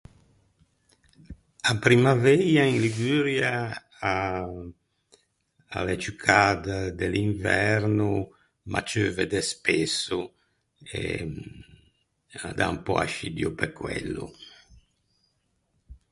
A primmaveia in Liguria a a l’é ciù cada de l’inverno, ma ceuve de spesso e a dà un pö ascidio pe quello.